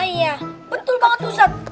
iya betul banget ustad